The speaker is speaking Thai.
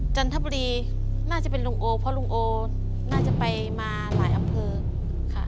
จันทบุรีน่าจะเป็นลุงโอเพราะลุงโอน่าจะไปมาหลายอำเภอค่ะ